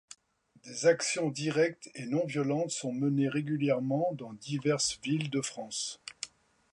Des actions directes et non-violentes sont menées régulièrement dans diverses villes de France.